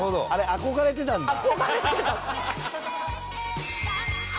憧れてたんです。